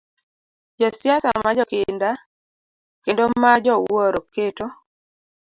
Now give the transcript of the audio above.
Josiasa ma jokinda kendo ma jowuoro, keto